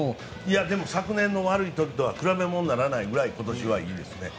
でも昨年の悪い時とは比べ物にならないくらい今年はいいですね。